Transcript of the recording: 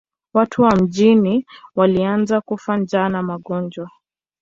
Watu wa mjini walianza kufa njaa na magonjwa.